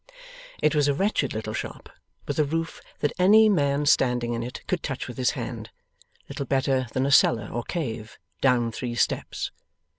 It was a wretched little shop, with a roof that any man standing in it could touch with his hand; little better than a cellar or cave, down three steps.